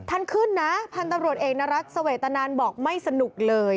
ท่านขึ้นนะพันธุ์ตำรวจเอกนรัฐเสวตนานบอกไม่สนุกเลย